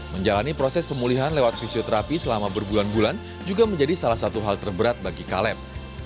menjalani proses pemulihan lewat fisioterapi selama berbulan bulan juga menjadi salah satu hal terberat bagi kaleb